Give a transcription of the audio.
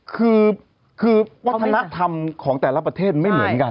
คือวัฒนธรรมของแต่ละประเทศไม่เหมือนกัน